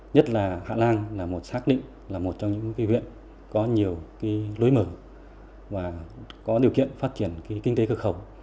nhất là hạ lan là một xác định là một trong những huyện có nhiều lối mở và có điều kiện phát triển kinh tế cửa khẩu